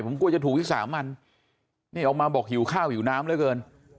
ผมกลัวจะถูกวิสามันนี่ออกมาบอกหิวข้าวหิวน้ำเหลือเกิน